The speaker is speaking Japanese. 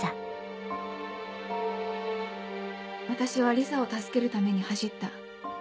私はリサを助けるために走った。